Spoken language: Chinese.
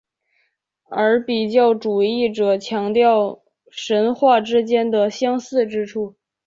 而比较主义者则强调神话之间的相似之处。